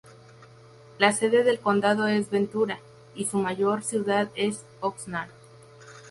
La sede del condado es Ventura, y su mayor ciudad es Oxnard.